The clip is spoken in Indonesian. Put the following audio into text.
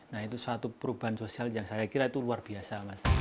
nah itu satu perubahan sosial yang saya kira itu luar biasa mas